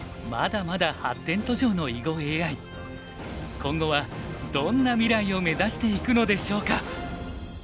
今後はどんな未来を目指していくのでしょうか。